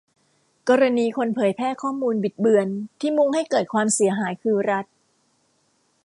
กรณีคนเผยแพร่ข้อมูลบิดเบือนที่มุ่งให้เกิดความเสียหายคือรัฐ